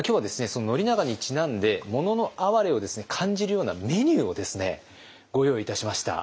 その宣長にちなんで「もののあはれ」を感じるようなメニューをですねご用意いたしました。